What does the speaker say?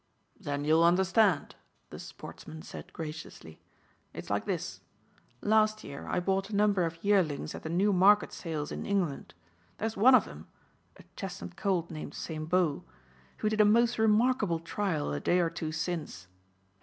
"Then you'll understand," the sportsman said graciously. "It's like this. Last year I bought a number of yearlings at the Newmarket sales in England. There's one of them a chestnut colt named Saint Beau who did a most remarkable trial a day or two since.